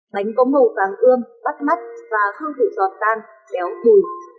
bánh có màu vàng ươm bắt mắt và hương vị giòn tan béo bùi